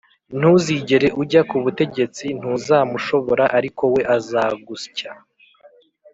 ntuzigera ujya ku butegetsi, ntuzamushobora ariko we azaguscya.